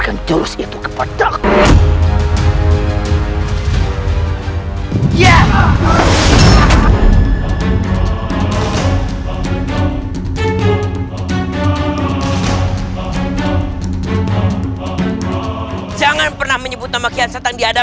kau tidak akan percaya begitu saja